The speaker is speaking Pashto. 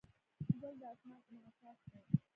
ګل د اسمان انعکاس دی.